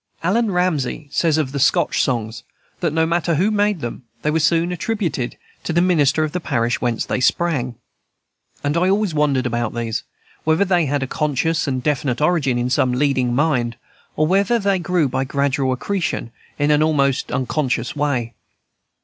Allan Ramsay says of the Scotch songs, that, no matter who made them, they were soon attributed to the minister of the parish whence they sprang. And I always wondered, about these, whether they had always a conscious and definite origin in some leading mind, or whether they grew by gradual accretion, in an almost unconscious way.